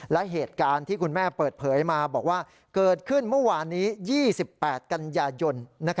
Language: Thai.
และเหตุการณ์ที่คุณแม่เปิดเผยมาบอกว่าเกิดขึ้นเมื่อวานนี้๒๘กันยายน